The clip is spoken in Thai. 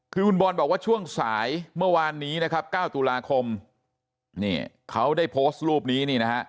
คือบนบอลบอกว่าช่วงสายเมื่อวานนี้๙ตุลาคมเขาได้โพสต์รูปนี้